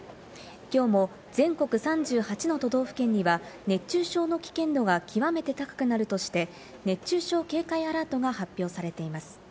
きょうも全国３８の都道府県には熱中症の危険度が極めて高くなるとして熱中症警戒アラートが発表されています。